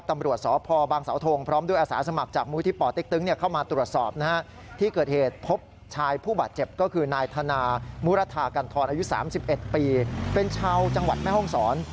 มุรถากันทรอายุ๓๑ปีเป็นชาวจังหวัดแม่ฮ่องศร